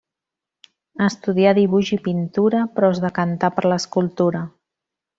Estudià dibuix i pintura però es decantà per l'escultura.